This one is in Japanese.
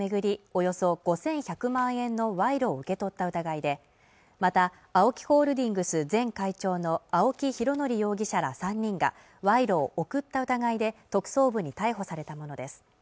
およそ５１００万円の賄賂を受け取った疑いでまたＡＯＫＩホールディングス前会長の青木拡憲容疑者ら３人が賄賂を贈った疑いで特捜部に逮捕されたものです